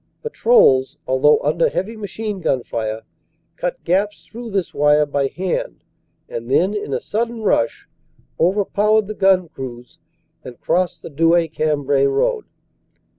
Patrols, although under heavy machine gun fire, cut gaps through this wire by hand, and then, in a sudden rush, overpowered the gun crews and 236 CANADA S HUNDRED DAYS crossed the Douai Cambrai road.